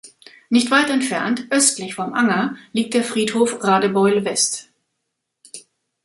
Nicht weit entfernt, östlich vom Anger, liegt der Friedhof Radebeul-West.